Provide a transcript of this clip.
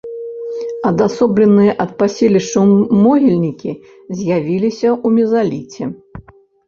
Адасобленыя ад паселішчаў могільнікі з'явіліся ў мезаліце.